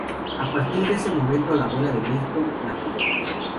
A partir de ese momento la abuela de Leighton la cuidó.